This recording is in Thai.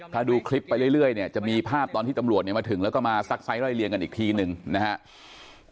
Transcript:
ถ้าดูคลิปไปเรื่อยเนี่ยจะมีภาพตอนที่ตำรวจมาถึงแล้วก็มาซักไซสไล่เลียงกันอีกทีหนึ่งนะครับ